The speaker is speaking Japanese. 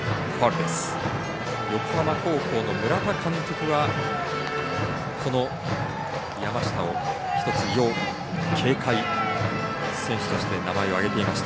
横浜高校の村田監督はこの山下を一つ要警戒選手として名前を挙げていました。